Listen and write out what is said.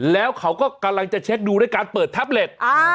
แล้วเขาก็กำลังจะเช็คดูด้วยการเปิดแท็บเล็ต